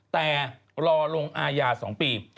แต่รอลงอาญา๒ปี